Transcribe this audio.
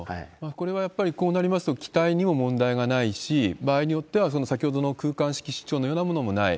これはやっぱり、こうなりますと、機体にも問題がないし、場合によっては、先ほどの空間識失調のようなものもない。